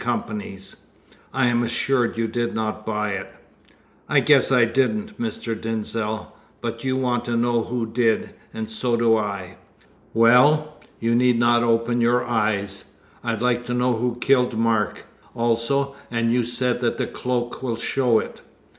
's. I am assured you did not buy it." "I guess I didn't, Mr. Denzil; but you want to know who did, and so do I. Well, you need not open your eyes. I'd like to know who killed Mark, also; and you say that cloak will show it?"